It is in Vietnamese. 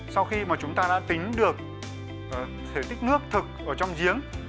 sau khi mà chúng ta đã tính được thể tích nước thực ở trong giếng